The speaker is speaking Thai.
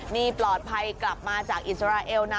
นี่ปลอดภัยกลับมาจากอิสราเอลนะ